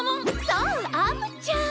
そうアムちゃん！